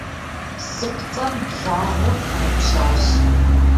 Псыпцӏэм благъуэ къыхэпщащ.